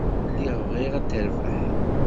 Lliɣ bɣiɣ ad terbeḥ.